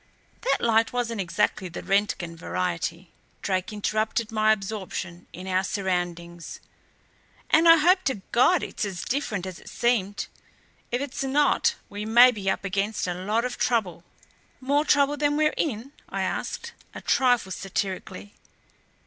"That light wasn't exactly the Roentgen variety," Drake interrupted my absorption in our surroundings. "And I hope to God it's as different as it seemed. If it's not we may be up against a lot of trouble." "More trouble than we're in?" I asked, a trifle satirically.